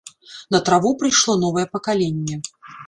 На траву прыйшло новае пакаленне.